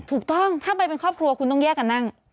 ถูกต้องถ้าไปเป็นครอบครัวคุณต้องแยกกันนั่ง